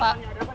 pak ada apa nih